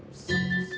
sup sup sup